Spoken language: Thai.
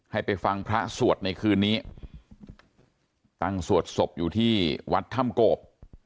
ให้ไปฟังพระสวดในคืนนี้ตั้งสวดศพอยู่ที่วัดถ้ำโกบ